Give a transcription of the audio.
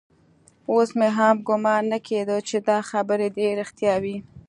اوس مې هم ګومان نه کېده چې دا خبرې دې رښتيا وي.